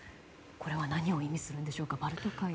これは何を意味するんでしょうか？